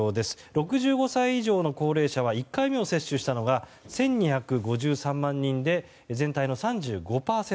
６５歳以上の高齢者は１回目を接種したのが１２５３万人で全体の３５％。